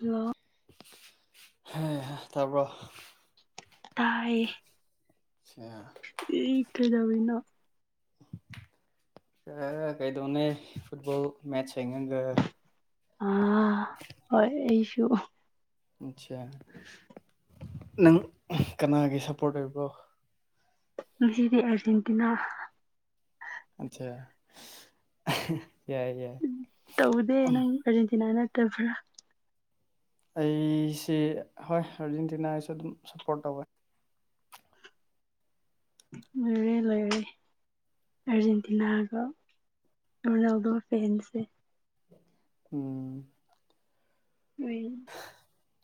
hello ꯍꯩꯍꯥ ꯇꯥꯕ꯭ꯔꯣ ꯇꯥꯏꯌꯦ ꯏ ꯀꯩꯗꯧꯔꯤꯅꯣ ꯑꯥ ꯀꯩꯗꯧꯅꯦ ꯐꯨꯠꯕꯣꯜ ꯃꯦꯁ ꯌꯦꯡꯑꯒꯥ ꯑꯗꯨ ꯑꯆꯥ ꯅꯪ ꯀꯅꯥꯒꯤ ꯁꯞꯄꯣꯔꯠ ꯑꯣꯏꯕ꯭ꯔꯣ ꯉꯖꯤꯗꯤ ꯑꯔꯖꯦꯟꯇꯤꯅꯥ ꯑꯆꯥ ꯎꯝ ꯇꯧꯗꯦ ꯅꯪ ꯑꯔꯖꯦꯟꯇꯤꯅꯥ ꯅꯠꯇꯕ꯭ꯔꯥ ꯑꯩꯁꯤ ꯍꯣꯏ ꯑꯥꯔꯖꯦꯟꯇꯤꯅꯥꯒꯤꯁꯨ ꯑꯗꯨꯝ ꯁꯞꯄꯣꯔꯠ ꯇꯧꯋꯦ ꯂꯩꯔꯦ ꯂꯩꯔꯦ ꯑꯥꯔꯖꯦꯟꯇꯤꯅꯥꯒ ꯔꯣꯅꯥꯜꯗꯣ ꯐꯦꯟꯁꯦ ꯎꯝ ꯎꯨꯏ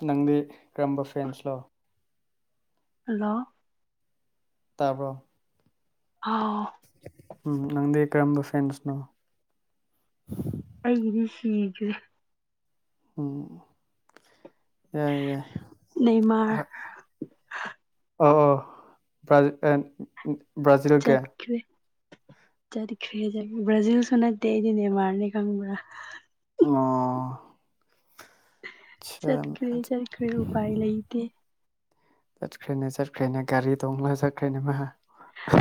ꯅꯪꯗꯤ ꯀꯔꯝꯕ ꯐꯦꯟꯁꯂꯣ ꯍꯜꯂꯣ ꯇꯥꯕ꯭ꯔꯣ ꯑꯥꯎ ꯎꯝ ꯅꯪꯗꯤ ꯀꯔꯝꯕ ꯐꯦꯟꯁꯅꯣ ꯑꯩꯒꯤꯗꯤ ꯁꯤꯈ꯭ꯔꯦ ꯎꯝ ꯌꯥꯏ ꯌꯥꯏ ꯅꯦꯃꯥꯔ ꯑꯣ ꯑꯣ ꯑꯥ ꯕ꯭ꯔꯥꯖꯤꯜꯒꯤ ꯆꯠꯈ꯭ꯔꯦꯖ ꯕ꯭ꯔꯖꯤꯜꯁꯨ ꯅꯠꯇꯦ ꯑꯩꯗꯤ ꯅꯦꯃꯥꯔꯅꯤ ꯀꯪꯕ꯭ꯔꯥ ꯑꯣ ꯆꯠꯈ꯭ꯔꯦ ꯆꯠꯈ꯭ꯔꯦ ꯎꯄꯥꯏ ꯆꯠꯈ꯭ꯔꯦꯅꯦ ꯂꯩꯇꯦ ꯆꯠꯈ꯭ꯔꯦꯅꯦ ꯆꯔꯈ꯭ꯔꯦꯅꯦ ꯒꯥꯔꯤ ꯗꯣꯡꯂ ꯆꯔꯈ꯭ꯔꯦꯅ ꯃꯥ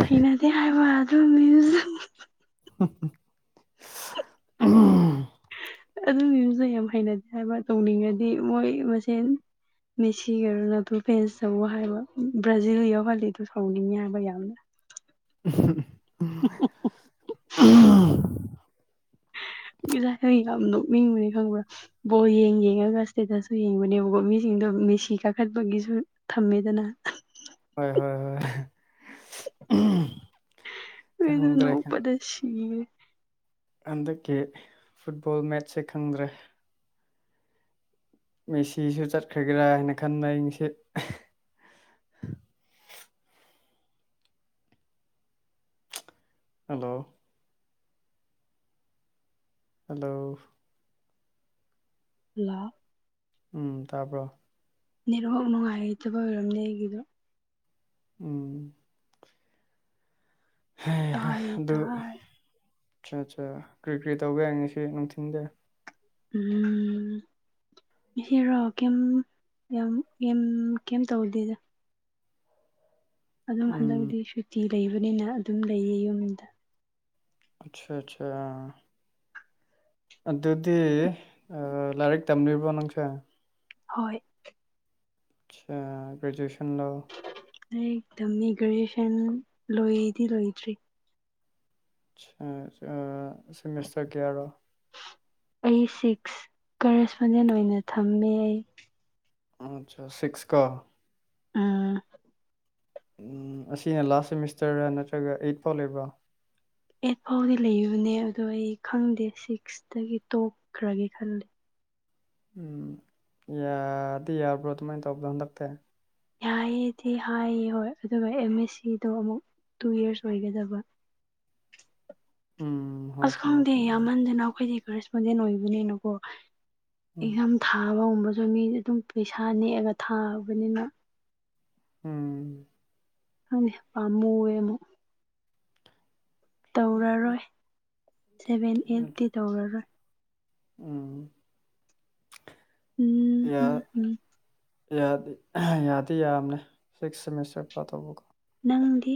ꯍꯩꯅꯗꯦ ꯍꯥꯏꯕ ꯑꯗꯨ ꯃꯤꯃꯁ ꯑꯎꯝ ꯑꯗꯨ ꯃꯤꯝꯁꯗꯨ ꯌꯥꯝ ꯍꯩꯅꯗꯦ ꯍꯥꯏꯕ ꯇꯧꯅꯤꯡꯉꯗꯤ ꯃꯣꯏ ꯃꯁꯦꯟ ꯃꯦꯁꯤꯒ ꯔꯣꯅꯥꯜꯗꯣ ꯐꯦꯟꯁ ꯇꯧꯎ ꯍꯥꯏꯕ ꯕ꯭ꯔꯥꯖꯤꯜ ꯌꯥꯎꯍꯜꯂꯤ ꯑꯗꯨ ꯁꯧꯅꯤꯡꯉꯦ ꯍꯥꯏꯕ ꯌꯥꯝꯅ ꯎꯝ ꯍꯪ [unintelligible] ꯑꯍꯪ ꯉꯁꯥꯏ ꯑꯩ ꯌꯥꯝ ꯅꯣꯛꯅꯤꯡꯕꯅꯤ ꯈꯪꯕ꯭ꯔꯥ ꯕꯣꯜ ꯌꯦꯡ ꯌꯦꯡꯉꯒ ꯏꯁꯇꯦꯇꯁꯁꯨ ꯌꯦꯡꯕꯅꯦꯕꯀꯣ ꯃꯤꯁꯤꯡ ꯗꯣ ꯃꯦꯁꯤ ꯀꯥꯈꯠꯄꯒꯤꯁꯨ ꯊꯝꯃꯦꯗꯅ ꯍꯣꯏ ꯍꯣꯏ ꯍꯣꯏ ꯑꯩꯗꯣ ꯈꯪꯗ꯭ꯔꯦ ꯅꯣꯛꯄꯗ ꯁꯤꯔꯦ ꯍꯟꯗꯛꯀꯤ ꯐꯨꯠꯕꯣꯜ ꯃꯦꯠꯆꯁꯦ ꯈꯪꯗ꯭ꯔꯦ ꯃꯦꯁꯤꯁꯨ ꯆꯠꯈ꯭ꯔꯒꯦꯔꯥ ꯍꯥꯏꯅ ꯈꯟꯕ ꯑꯩꯪꯁꯦ ꯍꯜꯂꯣ ꯍꯜꯂꯣ ꯂꯥꯎ ꯎꯝ ꯇꯥꯕ꯭ꯔꯣ ꯅꯦꯠꯋꯥꯔꯛ ꯅꯨꯡꯉꯥꯏꯇꯕ ꯑꯣꯏꯔꯝꯅꯤ ꯑꯩꯒꯤꯗꯣ ꯎꯝ ꯍꯩꯍꯥ ꯇꯥꯏ ꯑꯗꯨ ꯇꯥꯏ ꯑꯆꯥ ꯑꯆꯥ ꯀ꯭ꯔꯤ ꯀ꯭ꯔꯤ ꯇꯧꯕ ꯌꯥꯏ ꯉꯁꯤ ꯅꯨꯡꯊꯤꯟꯗ ꯎꯝ ꯉꯁꯤꯔꯣ ꯀ꯭ꯌꯝ ꯌꯥꯝ ꯌꯥꯝ ꯀ꯭ꯌꯝ ꯇꯧꯗꯦꯗ ꯑꯗꯨꯝ ꯎꯝ ꯍꯟꯗꯛꯗꯤ ꯁꯨꯇꯤ ꯂꯩꯕꯅꯤꯅ ꯑꯗꯨꯝ ꯂꯩꯌꯦ ꯌꯨꯝꯗ ꯑꯠꯁꯥ ꯑꯠꯁꯥ ꯑꯗꯨꯗꯤ ꯑ ꯂꯥꯏꯔꯤꯛ ꯇꯝꯔꯤꯕ꯭ꯔꯣ ꯅꯪꯁꯦ ꯍꯣꯏ ꯆꯥ ꯒ꯭ꯔꯦꯖꯨꯋꯦꯁꯟ ꯂꯣ ꯂꯥꯏꯔꯤꯛ ꯇꯝꯃꯤ ꯒ꯭ꯔꯦꯖꯨꯋꯦꯁꯟ ꯂꯣꯏꯗꯤ ꯂꯣꯏꯗ꯭ꯔꯤ [unintelligible] ꯁꯤꯃꯤꯁꯇꯔ ꯀꯌꯥꯔꯣ ꯑꯩ ꯁꯤꯛꯁ ꯀꯔꯦꯁꯄꯣꯟꯗꯦꯟꯠ ꯑꯣꯏꯅ ꯊꯝꯃꯦ ꯑꯩ ꯑꯆꯥ ꯁꯤꯛꯁ ꯀꯣ ꯎꯝ ꯎꯝ ꯑꯁꯤꯅ ꯂꯥꯁ ꯁꯦꯃꯤꯁꯇꯔꯔ ꯅꯠꯇ꯭ꯔꯒ ꯑꯩꯠ ꯐꯥꯎ ꯂꯩꯕ꯭ꯔꯥ ꯑꯩꯠ ꯐꯥꯎꯗꯤ ꯂꯩꯕꯅꯦ ꯑꯗꯣ ꯑꯩ ꯈꯪꯗꯦ ꯁꯤꯛꯁꯇꯒꯤ ꯇꯣꯛꯈ꯭ꯔꯒꯦ ꯈꯜꯂꯦ ꯎꯝ ꯌꯥꯗꯤ ꯌꯥꯕ꯭ꯔꯣ ꯑꯗꯨꯃꯥꯏꯟ ꯇꯧꯕꯗꯣ ꯍꯟꯗꯛꯇꯦ ꯌꯥꯌꯦꯗꯤ ꯍꯥꯏꯌꯦ ꯍꯣꯏ ꯑꯗꯨꯒ ꯑꯦꯝ ꯑꯦꯁ ꯁꯤꯗꯣ ꯑꯃꯨꯛ ꯇꯨ ꯌꯔꯁ ꯑꯣꯏꯒꯗꯕ ꯎꯝ ꯍꯣꯏ ꯑꯁ ꯆꯨꯝꯃꯦ ꯈꯪꯗꯦ ꯆꯨꯝꯃꯦ ꯌꯥꯝꯃꯟꯗꯅ ꯑꯈꯣꯏꯗꯤ ꯀꯔꯦꯁꯄꯣꯟꯗꯦꯟꯠ ꯑꯣꯏꯕꯅꯤꯅꯀꯣ ꯎꯝ ꯑꯦꯛꯖꯥꯝ ꯊꯥꯕꯒꯨꯝꯕꯁꯨ ꯃꯤꯗꯤ ꯑꯗꯨꯝ ꯄꯩꯁꯥ ꯅꯦꯛꯑꯒ ꯊꯥꯕꯅꯤꯅ ꯎꯝ ꯈꯪꯗꯦ ꯄꯥꯝꯃꯨꯌꯦ ꯑꯃꯨꯛ ꯇꯧꯔꯔꯣꯏ ꯁꯦꯚꯦꯟ ꯑꯦꯠꯇꯤ ꯇꯧꯔꯔꯣꯏ ꯎꯝ ꯌꯥ ꯎꯝꯍꯝꯍꯝ ꯌꯥꯗꯤ ꯌꯥꯗꯤ ꯌꯥꯝꯅꯦ ꯁꯤꯛꯁ ꯁꯦꯃꯤꯁꯇꯔ ꯄ ꯇꯧꯕꯀꯣ ꯅꯪꯗꯤ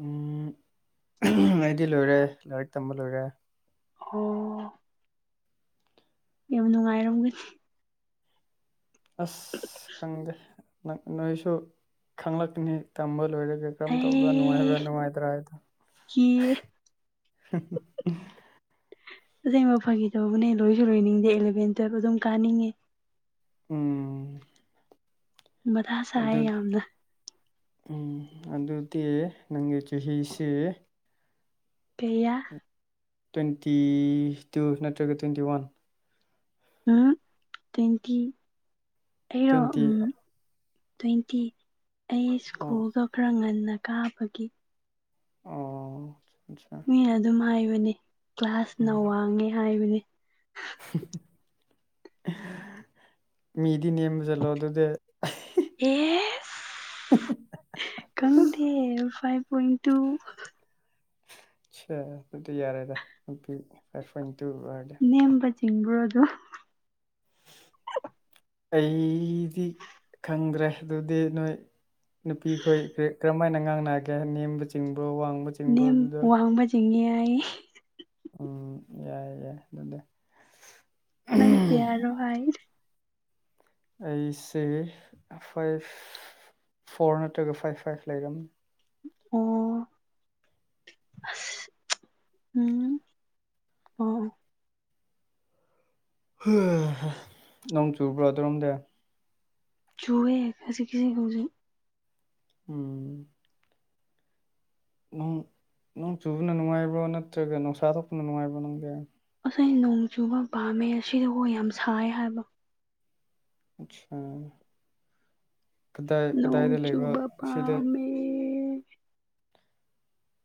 ꯎꯝ ꯑꯩꯗꯤ ꯂꯣꯏꯔꯦ ꯂꯥꯏꯔꯤꯛ ꯇꯝꯕ ꯂꯣꯏꯔꯦ ꯑꯣ ꯌꯥꯝ ꯅꯨꯡꯉꯥꯏꯔꯝꯒꯅꯤ ꯑꯁ ꯈꯪꯗꯦ ꯅꯪ ꯅꯣꯏꯁꯨ ꯈꯪꯂꯛꯀꯅꯤ ꯇꯝꯕ ꯂꯣꯏꯔꯒ ꯀꯔꯝ ꯇꯧꯕ꯭ꯔꯥ ꯑꯩ ꯅꯨꯡꯉꯥꯏꯕ꯭ꯔꯥ ꯅꯨꯡꯉꯥꯏꯇ꯭ꯔꯥ ꯍꯥꯏꯕꯗꯨ ꯀꯤꯌꯦ [unintelligible] ꯑꯁꯦꯡꯕ ꯐꯥꯒꯤ ꯇꯧꯕꯅꯦ ꯂꯣꯏꯁꯨ ꯂꯣꯏꯅꯤꯡꯗꯦ ꯑꯦꯂꯦꯚꯦꯟ ꯇ꯭ꯋꯦꯜꯚ ꯑꯗꯨꯝ ꯀꯥꯅꯤꯡꯉꯦ ꯎꯝ ꯃꯊꯥ ꯑꯗꯨ ꯁꯥꯏꯌꯦ ꯌꯥꯝꯅ ꯎꯝ ꯑꯗꯨꯗꯤ ꯅꯪꯒꯤ ꯆꯍꯤꯁꯤ ꯀꯌꯥ ꯇ꯭ꯋꯦꯟꯇꯤ ꯇꯨ ꯅꯠꯇ꯭ꯔꯒ ꯇ꯭ꯋꯦꯟꯇꯤ ꯋꯥꯟ ꯎꯝꯍꯛ ꯇ꯭ꯋꯦꯟꯇꯤ ꯑꯩꯔꯣ ꯇ꯭ꯋꯦꯟꯇꯤ ꯎꯝ ꯇ꯭ꯋꯦꯟꯇꯤ ꯑꯩ ꯑꯣ ꯁ꯭ꯀꯨꯜꯒ ꯈꯔ ꯉꯟꯅ ꯀꯥꯕꯒꯤ ꯑꯣ ꯑꯆꯥ ꯃꯤꯅ ꯑꯗꯨꯝ ꯍꯥꯏꯕꯅꯤ ꯀ꯭ꯂꯥꯁꯅ ꯋꯥꯡꯉꯦ ꯍꯥꯏꯕꯅꯤ ꯃꯤ ꯗꯤ ꯅꯦꯝꯕ ꯆꯠꯂꯣ ꯑꯗꯨꯗꯤ ꯑꯦꯁ ꯈꯪꯗꯦ ꯐꯥꯏꯐ ꯄꯣꯏꯟ ꯇꯨ ꯑꯠꯁꯥ ꯑꯗꯨꯗꯤ ꯌꯥꯔꯦꯗ [unintelligible] ꯐꯥꯢꯐ ꯄꯣꯢꯟꯠ ꯇꯨ ꯑꯣꯢꯔꯗꯤ ꯢꯟꯕ꯭ꯔꯣ ꯑꯗꯨ ꯑꯩꯗꯤ ꯈꯪꯗ꯭ꯔꯦ ꯑꯗꯨꯗꯤ ꯅꯣꯏ ꯅꯨꯄꯤꯈꯣꯏ ꯀꯔꯤ ꯀꯔꯝꯃꯥꯏꯅ ꯉꯥꯡꯅꯒꯦ ꯅꯦꯝꯕ ꯆꯤꯡ ꯅꯦꯝ ꯋꯥꯡꯕ ꯆꯤꯡꯉꯦ ꯌꯥꯢ ꯎꯝ ꯌꯥꯏ ꯌꯥꯏ ꯑꯗꯨꯗꯤ ꯅꯪ ꯀꯦꯌꯥꯔꯣ ꯍꯥꯏ ꯑꯩꯁꯦ ꯐꯥꯢꯐ ꯐꯣꯔ ꯅꯠꯇ꯭ꯔꯒ ꯐꯥꯏꯐ ꯐꯥꯏꯐ ꯂꯩꯔꯝꯅꯤ ꯑꯣ ꯑꯁ ꯎꯝ ꯑꯣ ꯅꯣꯡ ꯆꯨꯕ꯭ꯔꯣ ꯑꯗꯨꯔꯣꯝꯗ ꯆꯨꯋꯦ ꯈꯖꯤꯛ ꯈꯖꯤꯛ ꯍꯧꯖꯤꯛ ꯎꯝ ꯅꯪ ꯅꯪ ꯆꯨꯕꯅ ꯅꯨꯡꯉꯥꯏꯕ꯭ꯔꯣ ꯅꯠꯇ꯭ꯔꯒ ꯅꯨꯡꯁꯥ ꯊꯣꯛꯄꯅ ꯅꯨꯡꯉꯥꯏꯕ꯭ꯔꯣ ꯅꯪꯗꯤ ꯑꯩ ꯅꯣꯡ ꯆꯨꯕ ꯄꯥꯝꯃꯦ ꯁꯤꯗꯀꯣ ꯌꯥꯝ ꯁꯥꯌꯦ ꯍꯥꯏꯕ ꯑꯠꯁꯥ ꯀꯗꯥꯏ ꯅꯣꯡ ꯀꯗꯥꯏꯗ ꯂꯩꯕ꯭ꯔꯥ ꯆꯨꯕ ꯁꯤꯗ ꯄꯥꯝꯃꯦ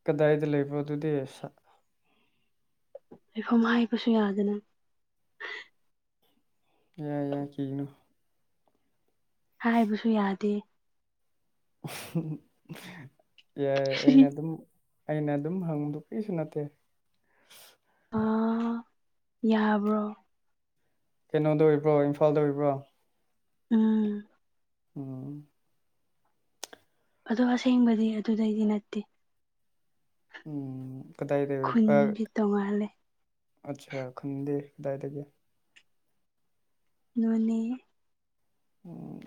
ꯀꯗꯥꯏꯗ ꯂꯩꯕ꯭ꯔꯣ ꯑꯗꯨꯗꯤ ꯁꯥ ꯂꯩꯐꯝ ꯍꯥꯏꯕꯁꯨ ꯌꯥꯗꯅ ꯌꯥꯢ ꯌꯥꯢ ꯀꯤꯒꯅꯨ ꯍꯥꯏꯕꯁꯨ ꯌꯥꯗꯦ ꯌꯥꯏ ꯑꯩꯅ ꯑꯗꯨꯝ ꯑꯩꯅ ꯑꯗꯨꯝ ꯍꯪꯕꯗꯨ ꯀ꯭ꯔꯤꯁꯨ ꯅꯠꯇꯦ ꯑꯥ ꯌꯥꯕ꯭ꯔꯣ ꯀꯩꯅꯣꯗ ꯑꯣꯏꯕ꯭ꯔꯣ ꯏꯝꯐꯥꯜꯗ ꯑꯣꯏꯕ꯭ꯔꯣ ꯎꯝ ꯎꯝ ꯑꯗꯣ ꯑꯁꯦꯡꯕꯗꯤ ꯑꯗꯨꯗꯩꯗꯤ ꯅꯠꯇꯦ ꯎꯝ ꯀꯗꯥꯏꯗ ꯈꯨꯟꯗꯤ [unintelligible] ꯇꯣꯡꯉꯥꯜꯂꯦ ꯑꯠꯁꯥ ꯈꯪꯗꯦ ꯀꯗꯥꯏꯗꯒꯤ ꯅꯣꯅꯦ ꯎꯝ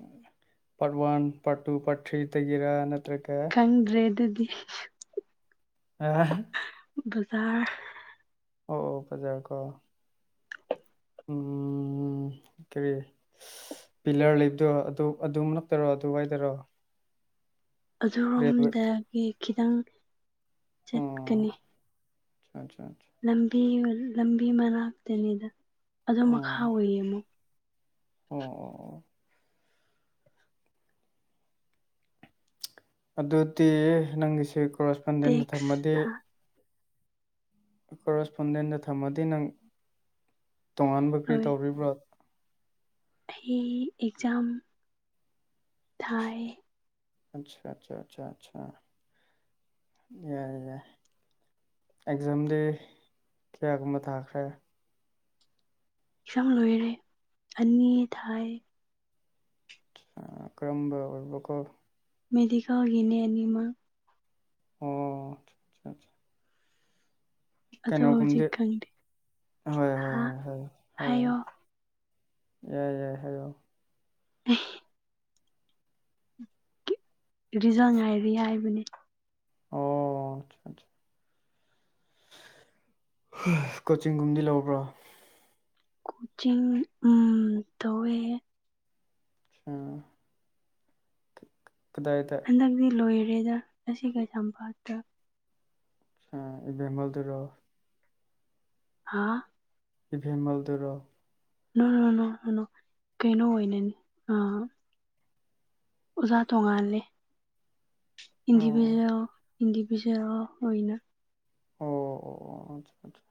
part one part two part three ꯗꯒꯤꯔꯥ ꯅꯠ ꯈꯪꯗ꯭ꯔꯦ ꯑꯗꯨꯗꯤ ꯑꯍꯥ ꯕꯖꯥꯔ ꯑꯣ ꯐꯖꯀꯣ ꯎꯝ ꯎꯝ ꯀꯔꯤ ꯄꯤꯂꯔ ꯂꯩꯕꯗꯣ ꯑꯗꯨ ꯑꯗꯨꯝ ꯅꯛꯇꯔꯣ ꯑꯗꯨꯋꯥꯏꯗꯔꯣ ꯔꯦꯜꯋꯦ ꯑꯗꯨꯔꯣꯝꯗꯒꯤ ꯈꯤꯇꯪ ꯑꯣ ꯆꯠꯀꯅꯤ ꯑꯆꯥ ꯑꯆꯥ ꯂꯝꯕꯤ ꯂꯝꯕꯤ ꯃꯅꯥꯛꯇꯅꯤꯗ ꯑꯗꯨꯝ ꯑꯣ ꯃꯈꯥ ꯑꯣꯏꯌꯦ ꯑꯃꯨꯛ ꯑꯣ ꯑꯣ ꯑꯗꯨꯗꯤ ꯅꯪꯒꯤꯁꯦ ꯀꯣꯔꯦꯁꯄꯟꯗꯦꯟꯗ ꯇꯦꯛꯁ ꯊꯝꯃꯗꯤ ꯀꯣꯔꯦꯁꯄꯣꯟꯗꯦꯟꯗ ꯊꯝꯃꯗꯤ ꯅꯪ ꯇꯣꯉꯥꯟꯕ ꯀꯔꯤ ꯇꯧꯔꯤꯕ꯭ꯔꯣ ꯍꯤ ꯑꯦꯛꯖꯥꯝ ꯊꯥꯏꯌꯦ ꯑꯆꯥ ꯑꯆꯥ ꯑꯆꯥ ꯑꯆꯥ ꯌꯥꯏ ꯌꯥꯏ ꯑꯦꯛꯖꯥꯝꯗꯤ ꯀꯌꯥꯒꯨꯝꯃ ꯊꯥꯈ꯭ꯔꯦ ꯑꯦꯛꯖꯥꯝ ꯂꯣꯏꯔꯦ ꯑꯅꯤ ꯊꯥꯏ ꯑꯥ ꯀꯔꯝꯕ ꯑꯣꯏꯕꯀꯣ ꯃꯦꯗꯤꯀꯜꯒꯤꯅꯦ ꯑꯅꯤꯃꯛ ꯑꯣ ꯑꯁꯥ ꯁꯥ ꯑꯗꯣ ꯍꯧꯖꯤꯛ ꯀꯩꯅꯣꯒꯨꯝꯗꯤ ꯈꯪꯗꯦ ꯍꯣꯏ ꯍꯣꯏ ꯍꯥ ꯍꯣꯏ ꯍꯣꯏ ꯍꯩꯌꯣ ꯍꯥꯏꯌꯣ ꯌꯥꯏ ꯌꯥꯏ ꯍꯥꯏꯌꯣ [unintelligible] ꯔꯤꯖꯜ ꯉꯥꯏꯔꯤ ꯍꯥꯏꯕꯅꯦ ꯑꯣ ꯑꯆꯥ ꯑꯆꯥ ꯀꯣꯆꯤꯡꯒꯨꯝꯗꯤ ꯂꯧꯕ꯭ꯔꯣ ꯀꯣꯆꯤꯡ ꯎꯝ ꯇꯧꯋꯦ ꯑꯁꯥ ꯍꯟꯗꯛꯇꯤ ꯂꯣꯏꯔꯦꯗ ꯉꯁꯤ ꯀꯩꯁꯥꯝꯄꯥꯠꯇ [unintelligible] ꯍꯥꯥ ꯏꯚꯦꯝꯃꯜꯗꯨꯨꯔꯣ ꯅꯣꯅꯣꯅꯣ ꯑꯅꯣ ꯀꯩꯅꯣ ꯑꯣꯏꯅꯅꯤ ꯑꯥ ꯑꯣꯖꯥ ꯇꯣꯉꯥꯜꯂꯦ ꯑꯣ ꯏꯟꯗꯤꯚꯖꯨꯋꯦꯜ ꯏꯟꯗꯤꯚꯖꯨꯋꯦꯜ ꯑꯣꯏꯅ ꯑꯣ ꯑꯣ ꯑꯣ ꯑꯆꯥ ꯑꯠꯆꯥ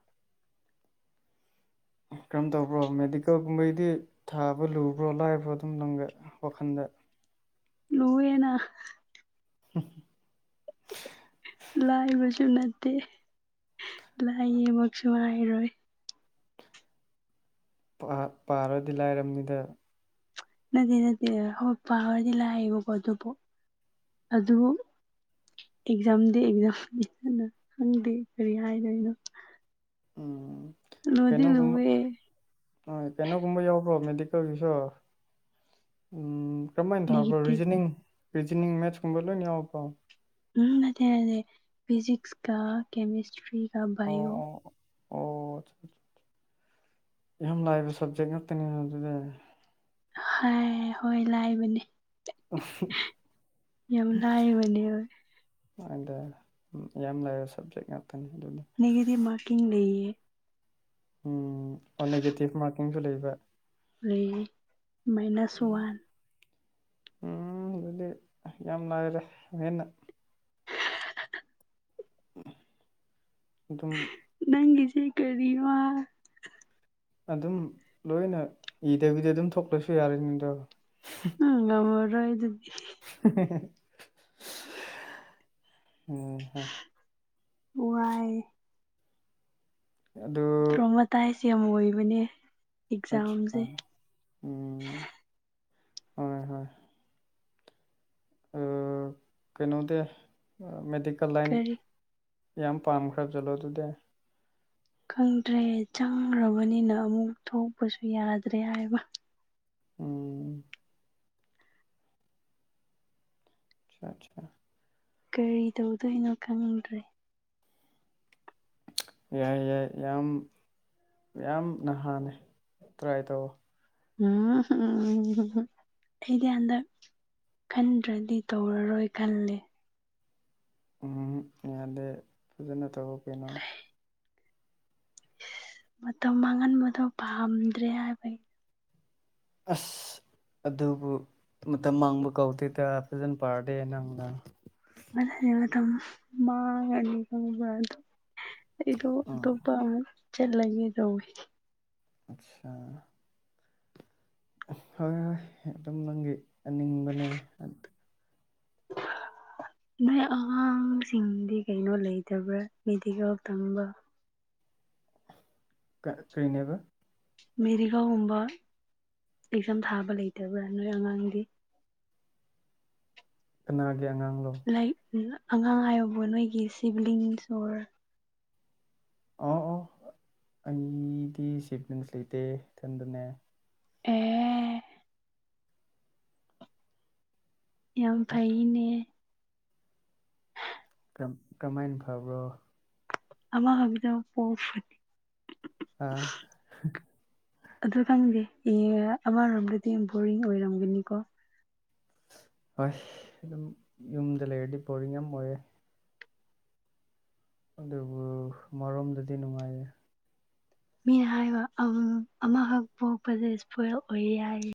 ꯀꯔꯝ ꯇꯧꯕ꯭ꯔꯣ ꯃꯦꯗꯤꯀꯦꯜꯒꯨꯝꯕꯩꯗꯤ ꯊꯥꯕ ꯂꯨꯕ꯭ꯔꯣ ꯂꯥꯏꯕ꯭ꯔꯣ ꯑꯗꯨꯝ ꯅꯪꯒꯤ ꯋꯥꯈꯟꯗ [inaudible] ꯂꯨꯌꯦꯅꯥ [unintelligible] ꯂꯥꯏꯕꯁꯨ ꯅꯠꯇꯦ ꯂꯥꯏꯌꯦꯃꯛꯁꯨ ꯍꯥꯏꯔꯣꯏ ꯄꯥ ꯄꯥꯔꯗꯤ ꯂꯥꯏꯔꯝꯅꯤꯗ ꯅꯠꯇꯦ ꯅꯠꯇꯦ ꯍꯣꯏ ꯄꯥꯕꯗꯤ ꯂꯥꯛꯑꯦꯕꯀꯣ ꯑꯗꯨꯕꯨ ꯑꯗꯨꯕꯨ ꯑꯦꯛꯖꯥꯝꯗꯤ ꯑꯦꯛꯖꯥꯝꯅꯦ ꯗꯅ ꯈꯪꯗꯦ ꯀꯔꯤ ꯍꯥꯏꯗꯣꯏꯅꯣ ꯎꯝ ꯂꯨꯗꯤ ꯂꯨꯋꯦ ꯍꯣꯏ ꯀꯩꯅꯣꯒꯨꯝꯕ ꯌꯥꯎꯕ꯭ꯔꯣ ꯃꯦꯗꯤꯀꯦꯜꯒꯤꯁꯨ ꯎꯝ ꯀꯝꯃꯥꯏꯟ ꯊꯥꯕ꯭ꯔꯣ ꯅꯦꯒꯦꯇꯤꯞ ꯔꯤꯖꯅꯤꯡ ꯔꯤꯖꯅꯤꯡ ꯃꯦꯠꯁꯀꯨꯝꯕ ꯂꯣꯏꯅ ꯌꯥꯎꯕ꯭ꯔꯣ ꯎꯝ ꯅꯠꯇꯦ ꯅꯠꯇꯦ ꯐꯤꯖꯤꯛꯁꯀ ꯀꯦꯃꯤꯁꯇ꯭ꯔꯤꯒ ꯑꯣ ꯕꯥꯏꯑꯣ ꯑꯣ ꯑꯣ ꯌꯥꯝ ꯂꯥꯏꯕ ꯁꯕꯖꯦꯛ ꯉꯥꯛꯇꯅꯤꯅꯦ ꯑꯗꯨꯗꯤ ꯍꯣꯏ ꯍꯣꯏ ꯂꯥꯏꯕꯅꯦ ꯌꯥꯝ ꯂꯥꯏꯕꯅꯦꯕ ꯑꯗ ꯌꯥꯝ ꯂꯥꯏꯕ ꯁꯕꯖꯦꯛ ꯉꯥꯛ ꯅꯒꯦꯇꯤꯚ ꯃꯥꯔꯀꯤꯡ ꯂꯩꯌꯦ ꯎꯝ ꯑꯣ ꯅꯦꯒꯦꯇꯤꯚ ꯃꯥꯔꯀꯤꯡꯁꯨ ꯂꯩꯕ ꯂꯩꯌꯦ ꯃꯥꯏꯅꯁ ꯋꯥꯟ ꯎꯝ ꯑꯗꯨꯗꯤ ꯌꯥꯝ ꯂꯥꯏꯔꯦꯗ ꯍꯦꯟꯅ ꯑꯗꯨꯝ ꯅꯪꯒꯤꯁꯦ ꯀꯔꯤ ꯋꯥ ꯑꯗꯨꯝ ꯂꯣꯏꯅ ꯏꯗꯕꯤꯗ ꯑꯗꯨꯝ ꯊꯣꯛꯂꯁꯨ ꯌꯥꯔꯅꯤ ꯑꯗꯣ ꯑꯥ ꯉꯝꯃꯔꯣꯏ ꯑꯩꯗꯤ [unintelligible] ꯋꯥꯏ ꯑꯗꯨ ꯁꯤ ꯑꯦꯝ ꯑꯣꯏꯕꯅꯦ ꯑꯆꯥ ꯑꯦꯛꯖꯥꯝꯁꯦ ꯎꯝ ꯍꯣꯏ ꯍꯣꯏ ꯑꯥ ꯀꯩꯅꯣꯗꯤ ꯃꯦꯗꯤꯀꯦꯜ ꯂꯥꯏꯟ ꯀꯔꯤ ꯌꯥꯝ ꯄꯥꯝꯈ꯭ꯔꯕ ꯆꯠꯂꯣ ꯑꯗꯨꯗꯤ ꯈꯪꯗ꯭ꯔꯦ ꯆꯪꯈ꯭ꯔꯕꯅꯤꯅ ꯑꯃꯨꯛ ꯊꯣꯛꯄꯁꯨ ꯌꯥꯔꯗ꯭ꯔꯦ ꯍꯥꯏꯕ ꯎꯝ ꯑꯁꯥ ꯑꯆꯥ ꯀꯔꯤ ꯇꯧꯗꯣꯏꯅꯣ ꯈꯪꯗ꯭ꯔꯦ ꯌꯥꯏ ꯌꯥꯏ ꯌꯥꯝ ꯌꯥꯝ ꯅꯍꯥꯅꯦ ꯇ꯭ꯔꯥꯏ ꯇꯧꯑꯣ ꯎꯝ ꯍꯝ ꯑꯩꯗꯤ ꯍꯟꯗꯛ ꯈꯟꯗ꯭ꯔꯗꯤ ꯇꯧꯔꯔꯣꯏ ꯈꯜꯂꯦ ꯎꯝ ꯌꯥꯗꯦ ꯐꯖꯅ ꯇꯧ ꯀꯩꯅꯣ ꯃꯇꯝ ꯃꯥꯡꯍꯟꯕꯗꯣ ꯄꯥꯝꯗ꯭ꯔꯦ ꯍꯥꯏꯕꯒꯤ ꯑꯁ ꯑꯗꯨꯕꯨ ꯃꯇꯝ ꯃꯥꯡꯕ ꯀꯧꯗꯦꯗ ꯐꯖꯅ ꯄꯥꯔꯗꯤ ꯅꯪꯅ [unintelligible] ꯑꯩꯗꯣ ꯎꯝ ꯑꯇꯣꯞꯄ ꯑꯃꯨꯛ ꯆꯠꯂꯒꯦ ꯇꯧꯋꯤ ꯑꯆꯥ ꯍꯣꯏ ꯍꯣꯏ ꯑꯗꯨꯝ ꯅꯪꯒꯤ ꯑꯅꯤꯡꯕꯅꯦ [unintelligible] ꯅꯣꯏ ꯑꯉꯥꯡꯁꯤꯡꯗꯤ ꯀꯩꯅꯣ ꯂꯩꯇꯕ꯭ꯔꯥ ꯃꯦꯗꯤꯀꯦꯜ ꯇꯝꯕ ꯀꯩ ꯀꯩꯅꯦꯕ ꯃꯦꯔꯤꯀꯦꯜ ꯒꯨꯝꯕ ꯑꯦꯛꯖꯥꯝ ꯊꯥꯕ ꯂꯩꯇꯕ꯭ꯔꯥ ꯅꯣꯏ ꯑꯉꯥꯡꯗꯤ ꯀꯅꯥꯒꯤ ꯑꯉꯥꯡꯂꯣ ꯂꯥꯏꯛ ꯑꯉꯥꯡ ꯍꯥꯏꯕꯕꯨ ꯅꯣꯏꯒꯤ ꯁꯤꯚꯂꯤꯡꯁ ꯑꯣꯔ ꯑꯣ ꯑꯣ ꯑꯅꯤꯗꯤ ꯁꯤꯞꯦꯟꯁ ꯂꯩꯇꯦ ꯏꯊꯟꯗꯅꯦ ꯑꯦ ꯌꯥꯝ ꯐꯩꯅꯦ ꯀꯃꯥꯏꯅ ꯐꯕ꯭ꯔꯣ ꯑꯃ ꯈꯛꯇ ꯄꯣꯛꯄꯒꯤ ꯑꯥ ꯑꯗꯨ ꯈꯪꯗꯦ ꯌꯦꯡꯔ꯭ꯒꯥ ꯑꯃꯔꯣꯝꯗꯗꯤ ꯕꯣꯔꯤꯡ ꯑꯣꯏꯔꯝꯒꯅꯤꯀꯣ ꯍꯣꯏ ꯑꯗꯨꯝ ꯌꯨꯝꯗ ꯂꯩꯔꯗꯤ ꯄꯣꯔꯤꯡ ꯌꯥꯝ ꯑꯣꯏꯌꯦ ꯑꯗꯨꯕꯨ ꯃꯔꯣꯝꯗꯗꯤ ꯅꯨꯡꯉꯥꯏꯌꯦ ꯃꯤꯅ ꯍꯥꯏꯕ [unintelligible] ꯑꯃꯈꯛ ꯄꯣꯛꯄꯖꯦ ꯏꯁꯄꫭꯏꯜ ꯑꯣꯏꯌꯦ ꯍꯥꯏꯌꯦ